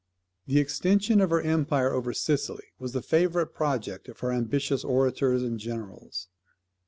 The extension of her empire over Sicily was the favourite project of her ambitious orators and generals.